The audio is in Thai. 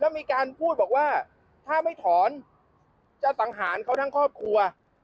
มีการพูดบอกว่าถ้าไม่ถอนจะสังหารเขาทั้งครอบครัว